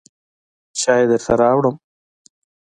چای درته راوړم.